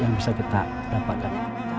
yang bisa kita dapatkan